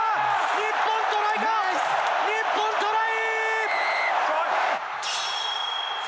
日本、トライか。